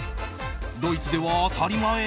ドイツでは当たり前？